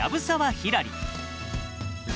ひらり。